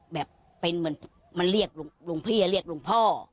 แบบเป็นเหมือนมันเรียกหลวงพี่เรียกหลวงพ่อ